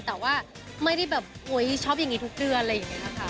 แต่ว่าไม่ได้แบบชอบอย่างนี้ทุกเดือนอะไรอย่างนี้ค่ะ